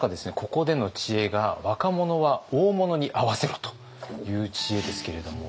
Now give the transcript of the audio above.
ここでの知恵が「若者は大物に会わせろ！」という知恵ですけれども。